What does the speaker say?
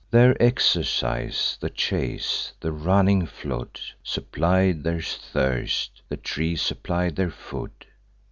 Their exercise the chase; the running flood Supplied their thirst, the trees supplied their food.